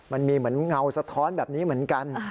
มันมีเหมือนเงาสะท้อนแบบนี้เหมือนกัน